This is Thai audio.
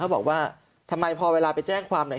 บอกว่าทำไมพอเวลาไปแจ้งความเนี่ย